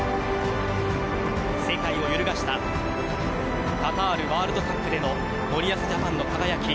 世界を揺るがしたカタールワールドカップでの森保ジャパンの輝き。